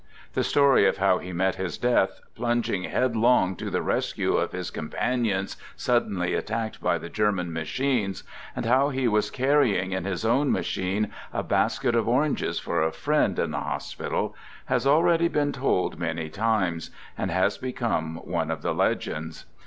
The story of how he met his death, plunging headlong to the res cue of his companions suddenly attacked by the Ger man machines, and how he was carrying in his own machine a basket of oranges for a friend in the hos pital, has already been told many times, and has become one of the legends.